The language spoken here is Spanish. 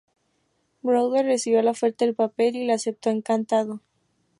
Browder recibió la oferta del papel y la aceptó encantado.